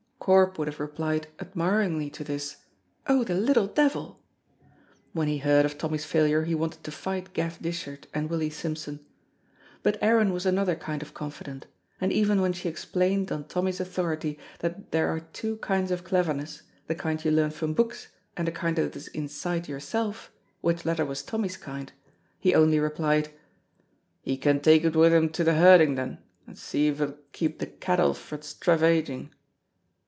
Corp would have replied admiringly to this "Oh, the little deevil!" (when he heard of Tommy's failure he wanted to fight Gav Dishart and Willie Simpson), but Aaron was another kind of confidant, and even when she explained on Tommy's authority that there are two kinds of cleverness, the kind you learn from books and a kind that is inside yourself, which latter was Tommy's kind, he only replied, "He can take it wi' him to the herding, then, and see if it'll keep the cattle frae stravaiging."